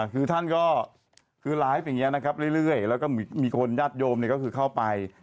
คือท่านก็คือไลฟ์อย่างนี้นะครับเรื่อยแล้วก็มีคนญาติโยมก็คือเข้าไป